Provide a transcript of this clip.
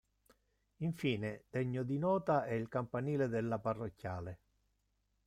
Infine, degno di nota è il campanile della parrocchiale.